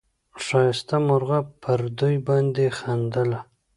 ښایسته مرغه پر دوی باندي خندله